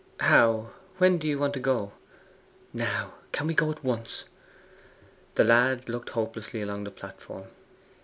'How? When do you want to go?' 'Now. Can we go at once?' The lad looked hopelessly along the platform.